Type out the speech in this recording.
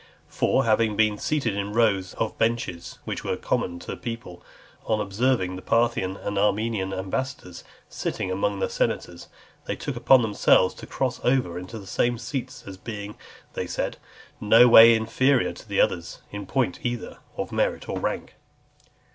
For, having been seated in the rows of benches which were common to the people, on observing the Parthian and Armenian ambassadors sitting among the senators, they took upon themselves to cross over into the same seats, as being, they said, no way inferior to the others, in point either, of merit or rank.